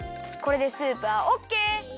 これでスープはオッケー！